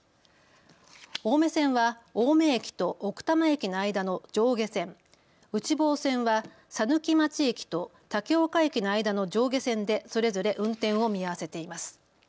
青梅線は青梅駅と奥多摩駅の間の上下線、内房線は佐貫町駅と竹岡駅の間の上下線でそれぞれ運転を見合わせています。